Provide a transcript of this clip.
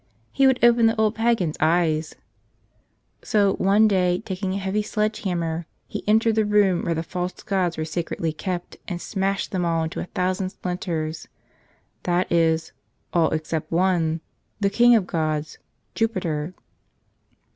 He would open the old pagan's eyes ! So one day, taking a heavy sledge hammer, he en¬ tered the room where the false gods were sacredly kept and smashed them all into a thousand splinters — that is, all except one, the king of gods, Jupiter.